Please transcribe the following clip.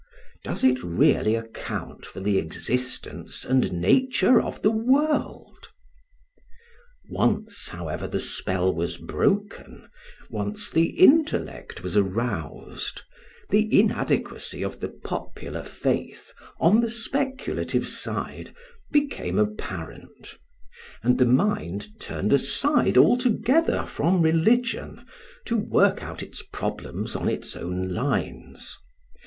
Does it really account for the existence and nature of the world? Once, however, the spell was broken, once the intellect was aroused, the inadequacy of the popular faith, on the speculative side, became apparent; and the mind turned aside altogether from religion to work out its problems on its own lines.